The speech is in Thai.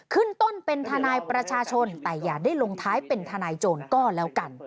ขึ้นต้นเป็นทนายประชาชนแต่อย่าได้ลงท้ายเป็นทนายโจรก็แล้วกัน